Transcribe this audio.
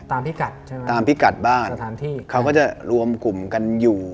ตามพิกัดใช่ไหมตามพิกัดบ้านสถานที่เขาก็จะรวมกลุ่มกันอยู่